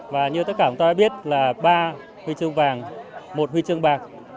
và như tất cả chúng ta đã biết là ba huy chương vàng một huy chương bạc